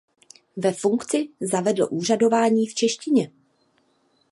Ve funkci zavedl úřadování v češtině.